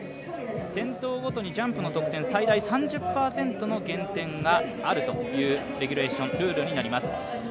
転倒ごとにジャンプの得点最大３０％の減点があるというレギュレーション、ルールになります